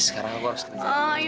terus kapan mulai kerjanya